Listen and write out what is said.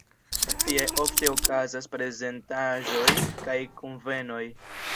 Tie ofte okazas prezentaĵoj kaj kunvenoj.